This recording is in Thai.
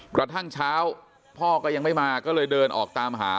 กระทั่งเช้าพ่อก็ยังไม่มาก็เลยเดินออกตามหา